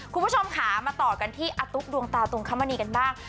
คุณผู้ชมค่ะมาต่อกันที่อาตุ๊กดวงตาตุงคมณีกันบ้าง